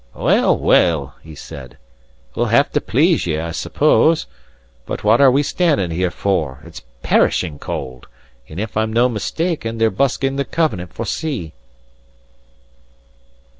"Well, well," he said, "we'll have to please ye, I suppose. But what are we standing here for? It's perishing cold; and if I'm no mistaken, they're busking the Covenant for sea."